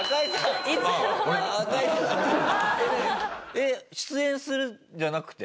えっ出演するんじゃなくて？